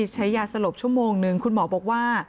ใช้ยาสลบชั่วโมงนึงคุณหมอบอกว่า